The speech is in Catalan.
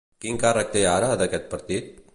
Quin càrrec té ara d'aquest partit?